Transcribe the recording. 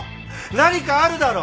何かあるだろ。